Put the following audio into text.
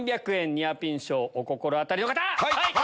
ニアピン賞お心当たりの方！